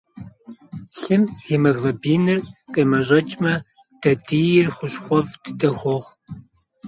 Лъым гемоглобиныр къемэщӏэкӏмэ, дадийр хущхъуэфӏ дыдэ хуохъу.